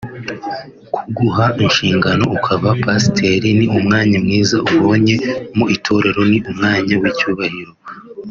Ku guha inshingano (ukaba pasiteri) ni umwanya mwiza ubonye mu itorero ni umwanya w’icyubahiro